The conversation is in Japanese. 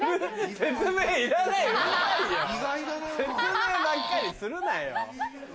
説明ばっかりするなよ。